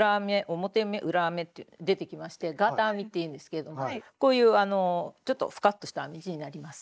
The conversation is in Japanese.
表目裏目って出てきまして「ガーター編み」っていうんですけれどもこういうあのちょっとフカッとした編み地になります。